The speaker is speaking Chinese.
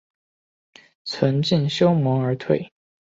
存敬修盟而退。